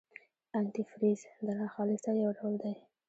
انتي فریز د ناخالصۍ یو ډول دی.